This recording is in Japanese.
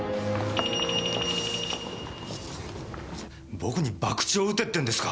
僕に博打を打てって言うんですか？